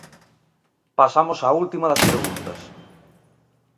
Pasamos á última das preguntas.